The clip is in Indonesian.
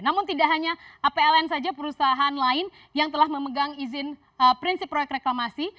namun tidak hanya apln saja perusahaan lain yang telah memegang izin prinsip proyek reklamasi